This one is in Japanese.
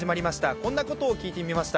こんなことを聞いてみました